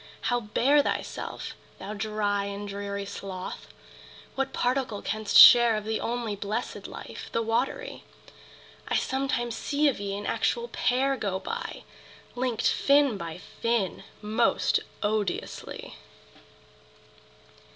How bear thyself, thou dry And dreary sloth? What particle canst share Of the only blessed life, the watery? I sometimes see of ye an actual pair Go by! linked fin by fin! most odiously.